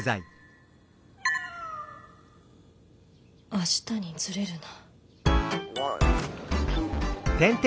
明日にずれるな。